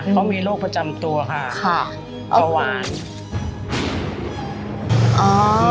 เขามีโรคประจำตัวค่ะกระวานอ๋อค่ะ